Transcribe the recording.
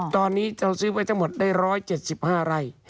ตอนนี้เราซื้อไปทั้งหมดได้ร้อยเจ็ดสิบห้าไร่